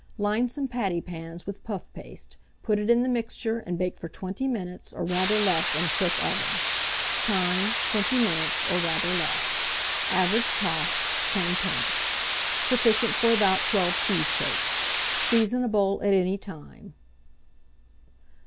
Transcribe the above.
Line some pattypans with puff paste, put in the mixture, and bake for 20 minutes, or rather less in a quick oven. Time. 20 minutes, or rather less. Average cost, 10d. Sufficient for about 12 cheesecakes. Seasonable at any time.